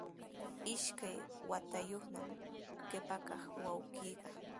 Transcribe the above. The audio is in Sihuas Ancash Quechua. Isqun watayuqnami qipa kaq wawqiiqa.